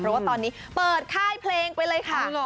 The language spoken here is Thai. เพราะว่าตอนนี้เปิดค่ายเพลงไปเลยค่ะ